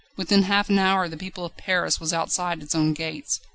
Within half an hour the people of Paris was outside its own gates.